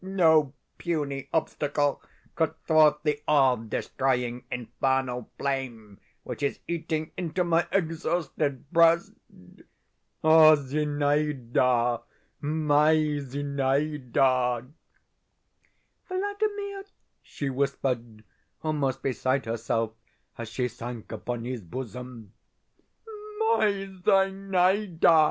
No puny obstacle could thwart the all destroying, infernal flame which is eating into my exhausted breast! Oh Zinaida, my Zinaida!' "'Vladimir!' she whispered, almost beside herself, as she sank upon his bosom. "'My Zinaida!